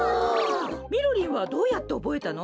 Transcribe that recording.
みろりんはどうやっておぼえたの？